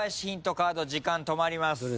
カード時間止まります。